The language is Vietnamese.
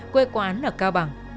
quê quán ở cao bằng